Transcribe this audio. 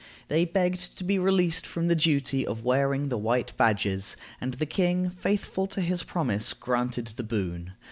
They begged to be released from the duty of wearing the white badges, and the king, faithful to his promise, granted the boon.